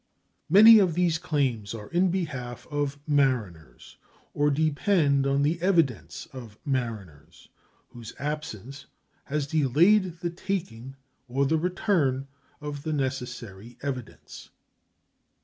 Many of these claims are in behalf of mariners, or depend on the evidence of mariners, whose absence has delayed the taking or the return of the necessary evidence.